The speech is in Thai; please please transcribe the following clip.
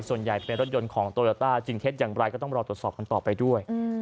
ส่วนใหญ่เป็นรถยนต์ของโตโยต้าจริงเท็จอย่างไรก็ต้องรอตรวจสอบกันต่อไปด้วย